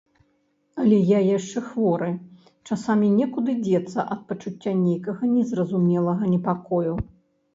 Але я яшчэ хворы, часамі некуды дзецца ад пачуцця нейкага незразумелага непакою.